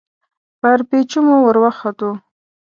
پر پېچومو ور وختو.